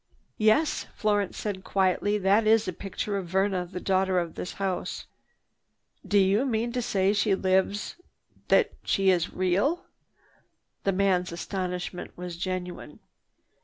"Yes," Florence said quietly, "that is a picture of Verna, the daughter of this house." "Do you mean to say she lives—that she is real!" The man's astonishment was genuine.